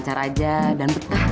ya ya allah